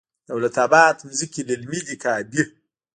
دولت اباد ځمکې للمي دي که ابي؟